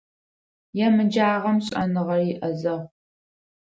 Емыджагъэм шӏэныгъэр иӏэзэгъу.